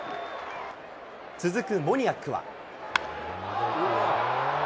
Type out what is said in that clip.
続くモニアックは。